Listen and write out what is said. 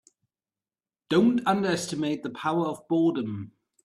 Don't underestimate the power of boredom.